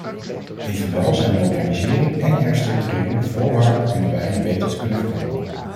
Evenwel zijn modernisering en herstructurering voorwaarden om de wijnen beter te kunnen verkopen.